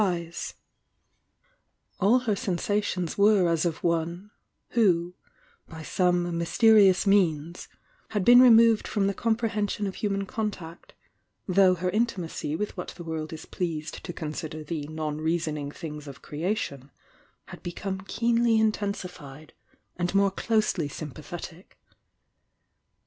207 ^!J iM'SS'lsA' 268 THE YOUNG DIANA 11 All her sensations were as of one, who, by some mysterious means, had been removed from the com prehension of human contact, — though her intimacy with what the world is pleased to consider the non reasoning things of creation had become keenly in tensified, and more closely sympathetic.